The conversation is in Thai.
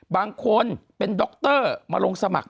บางคนเป็นโดกเตอร์มาลงสมัคร